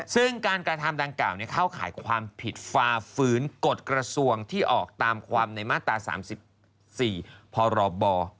ซึ่งการกระทำดังกล่าวเข้าข่ายความผิดฝ่าฝืนกฎกระทรวงที่ออกตามความในมาตรา๓๔พรบ